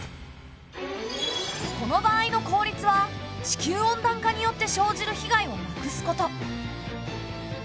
この場合の効率は地球温暖化によって生じる被害をなくすこと。